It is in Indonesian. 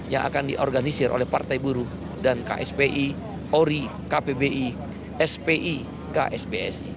yang akan diorganisir oleh partai buruh dan kspi ori kpbi spi ksbsi